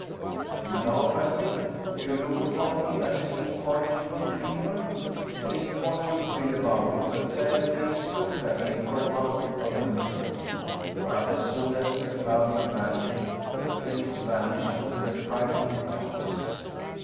You laugh at me? You look upon me as an incorrigible dreamer? Think what you will about it the fair face looked at me from out of the mirror! But as soon as the clouding vanished, the face vanished in the brightened glass.